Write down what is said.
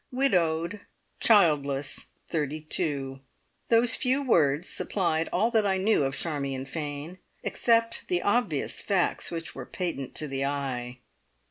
Widowed childless thirty two. Those few words supplied all that I knew of Charmion Fane, except the obvious facts which were patent to the eye.